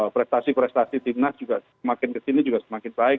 prestasi prestasi timnas juga semakin kesini juga semakin baik